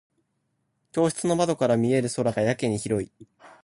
教室の窓から見える空がやけに広い。